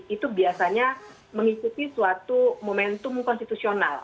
itu biasanya mengikuti suatu momentum konstitusional